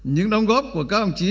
những đóng góp của các đồng chí